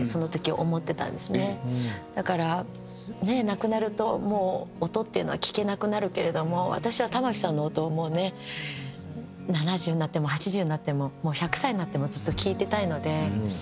亡くなるともう音っていうのは聴けなくなるけれども私は玉置さんの音をもうね７０になっても８０になってももう１００歳になってもずっと聴いてたいので。